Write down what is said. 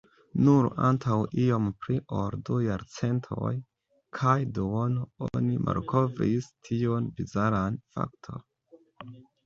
Nur antaŭ iom pli ol du jarcentoj kaj duono, oni malkovris tiun bizaran fakton.